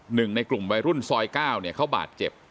หนึ่งในกลุ่มวัยรุ่นซอย๙เนี่ยเขาบาดเจ็บ